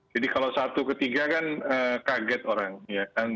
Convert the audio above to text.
jadi kalau satu ketiga kan kaget orang ya kan